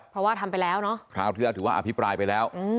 คราวนี้ถือว่าประชุมอภิบรายไปแล้ว